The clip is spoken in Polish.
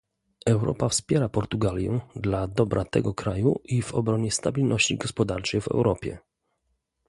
Europa wspiera Portugalię dla dobra tego kraju i w obronie stabilności gospodarczej w Europie